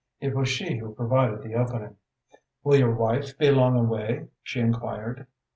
It was she who provided the opening. "Will your wife be long away?" she enquired.